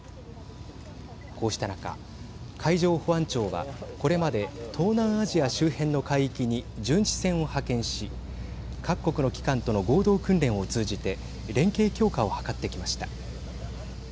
こうした中、海上保安庁はこれまで東南アジア周辺の海域に巡視船を派遣し各国の機関との合同訓練を通じて連携強化を図ってきました。